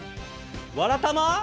「わらたま」。